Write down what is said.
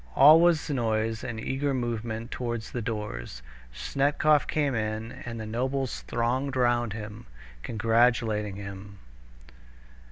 All was noise and eager movement towards the doors. Snetkov came in, and the nobles thronged round him, congratulating him.